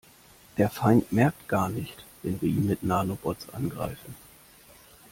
Der Feind merkt gar nicht, wenn wir ihn mit Nanobots angreifen.